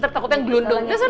takut yang gelundung